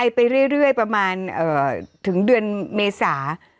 ไปเรื่อยประมาณถึงเดือนเมษา